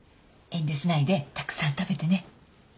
遠慮しないでたくさん食べてね